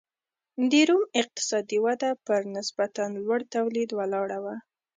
د روم اقتصادي وده پر نسبتا لوړ تولید ولاړه وه.